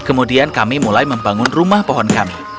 kemudian kami mulai membangun rumah pohon kami